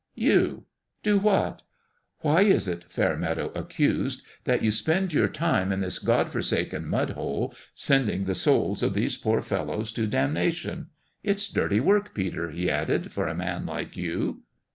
" You." " Do what ?"" Why is it," Fairmeadow accused, " that you spend your time in this God forsaken mud hole sending the souls of these poor fellows to dam nation ? It's dirty work, Peter," he added, " for a man like you."